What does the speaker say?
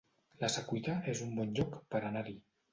La Secuita es un bon lloc per anar-hi